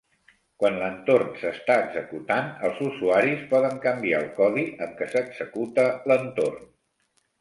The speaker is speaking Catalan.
Quan l'entorn s'està executant, els usuaris poden canviar el codi amb què s'executa l'entorn.